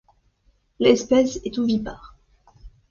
L'espèce est ovipares.